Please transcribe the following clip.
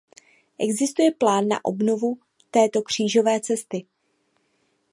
Existuje plán na obnovu této křížové cesty.